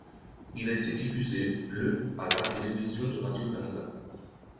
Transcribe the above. Il a été diffusé le à la Télévision de Radio-Canada.